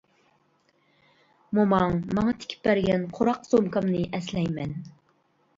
موماڭ ماڭا تىكىپ بەرگەن قۇراق سومكامنى ئەسلەيمەن.